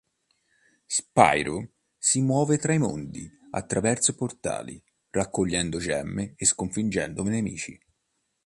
Spyro si muove fra i mondi attraverso portali, raccogliendo gemme e sconfiggendo nemici.